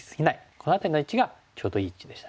この辺りの位置がちょうどいい位置でしたね。